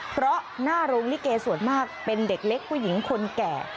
เพราะหน้าโรงลิเกส่วนมากเป็นเด็กเล็กผู้หญิงคนแก่